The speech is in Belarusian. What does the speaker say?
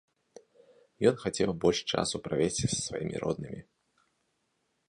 Ён хацеў больш часу правесці са сваімі роднымі.